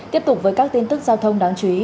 tiếp tục với các tin tức giao thông đáng chú ý